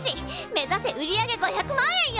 目指せ売り上げ５００万円よ！